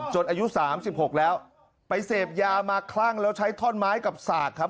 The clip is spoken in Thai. อายุ๓๖แล้วไปเสพยามาคลั่งแล้วใช้ท่อนไม้กับสากครับ